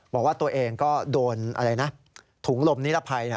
บอกว่าตัวเองก็โดนถุงลมนิรภัย